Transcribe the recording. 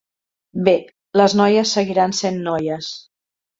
Bé, les noies seguiran sent noies.